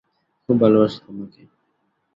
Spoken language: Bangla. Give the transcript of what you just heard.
খুব ভালোবাসি তোমাকে।